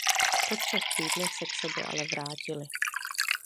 Po třech týdnech se k sobě ale vrátili.